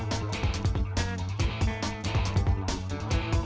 aduh aduh aduh aduh